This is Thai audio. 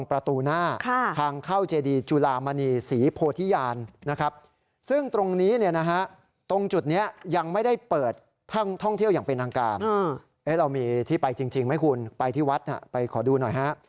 เรามีที่ไปจริงไหมคุณไปที่วัดไปขอดูหน่อยฮะ